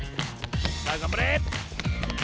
さあがんばれ！